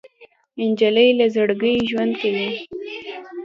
نجلۍ له زړګي ژوند کوي.